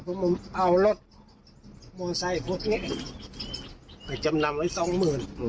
ผมเอารถมอไซค์พวกนี้ไปจำนำไว้๒๐๐๐๐บาท